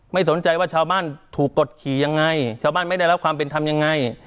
ไม่สนใจว่าชาวบ้านถูกกดขี่ยังไงชาวบ้านไม่ได้รับความเป็นธรรมยังไง